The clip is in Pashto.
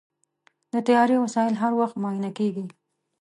د طیارې وسایل هر وخت معاینه کېږي.